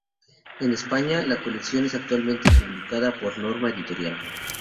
En España, la colección es actualmente publicada por Norma Editorial.